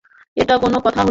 এটা কোনো কথা হলো।